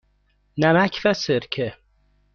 نمک و سرکه.